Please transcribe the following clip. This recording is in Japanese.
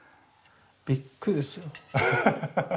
びっくりですよ。